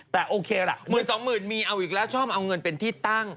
แต่โอเคล่ะหมื่นสองหมื่นมีเอาอีกแล้วชอบเอาเงินเป็นที่ตั้ง